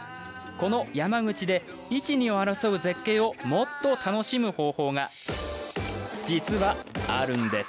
この山口で１、２を争う絶景をもっと楽しむ方法が実は、あるんです。